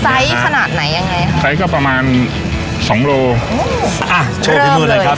ขนาดไหนยังไงคะไซส์ก็ประมาณสองโลอ่ะโชว์ฝีมือหน่อยครับ